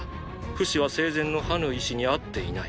フシは生前のハヌイ氏に会っていない。